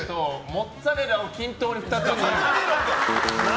モッツァレラを均等に２つに。